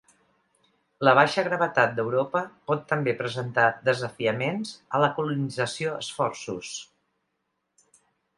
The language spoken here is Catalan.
La baixa gravetat d'Europa pot també presentar desafiaments a la colonització esforços.